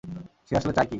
সে আসলে চায় কি?